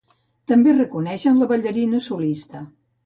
També reconeixen la ballarina solista.